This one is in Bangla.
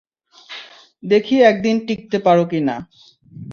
দেখি এক দিন টিকতে পারো কি না।